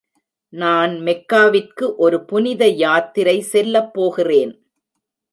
நான் மெக்காவிற்கு ஒரு புனித யாத்திரை செல்லப் போகிறேன்.